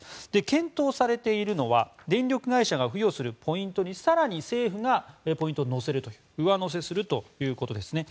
検討されているのは電力会社が付与するポイントに更に政府がポイントを乗せるという上乗せするということですね。